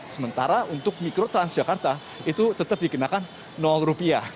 sementara untuk mikrotrans jakarta itu tetap dikenakan rupiah